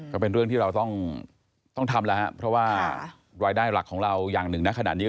ก็เป็นเรื่องที่เราต้องทำแล้วครับเพราะว่ารายได้หลักของเราอย่างหนึ่งนะขนาดนี้